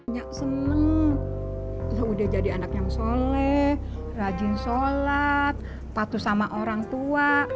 nyak seneng lah udah jadi anak yang soleh rajin sholat patuh sama orang tua